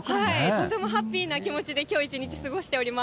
とてもハッピーな気持ちできょう一日過ごしております。